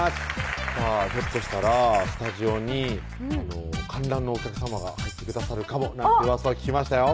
「ひょっとしたらスタジオに観覧のお客さまが入ってくださるかも」なんてうわさを聞きましたよ